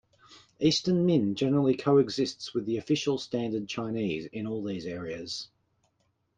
Eastern Min generally coexists with the official standard Chinese in all these areas.